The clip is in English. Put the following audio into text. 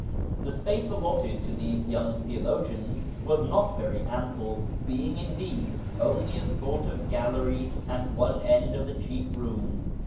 The space allotted to these young theologians was not very ample, being, indeed, only a sort of gallery at one end of the chief room.